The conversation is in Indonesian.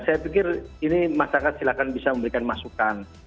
saya pikir ini masyarakat silakan bisa memberikan masukan